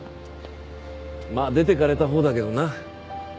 まあ出ていかれたほうだけどな。